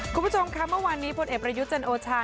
คุณผู้ชมครับวันนี้พลเอกประยุจชนโอชา